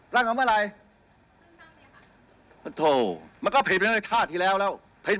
แล้วอย่าทำความผิดพรบประชาบัติด้วย